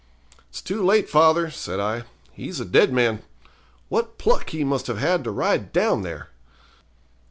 'It's too late, father,' said I; 'he's a dead man. What pluck he must have had to ride down there!'